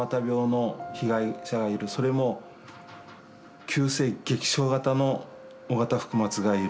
それも急性劇症型の緒方福松がいる。